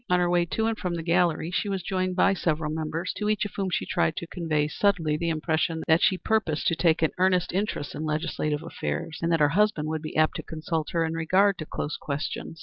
On her way to and from the gallery she was joined by several members, to each of whom she tried to convey subtly the impression that she purposed to take an earnest interest in legislative affairs, and that her husband would be apt to consult her in regard to close questions.